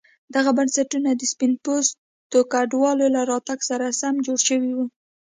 دغه بنسټونه د سپین پوستو کډوالو له راتګ سره سم جوړ شوي وو.